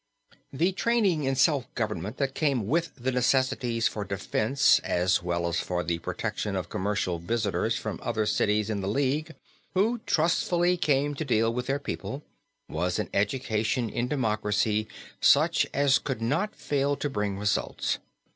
The training in self government that came with the necessities for defense as well as for the protection of commercial visitors from other cities in the league, who trustfully came to deal with their people, was an education in democracy such as could not fail to bring results.